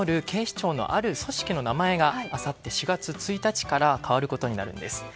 警視庁のある組織の名前があさって４月１日から変わることになるんです。